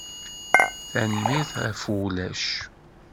Tanemmirt ɣef wulac.